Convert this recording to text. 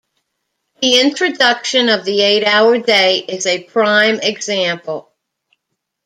The introduction of the eight-hour day is a prime example.